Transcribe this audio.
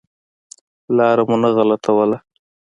لار مو نه غلطوله.